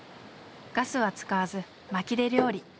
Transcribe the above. ガスは使わず薪で料理。